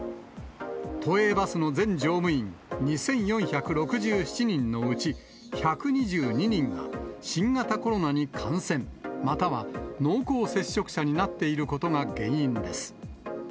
都営バスの全乗務員２４６７人のうち、１２２人が新型コロナに感染、または濃厚接触者になっていることが原因です。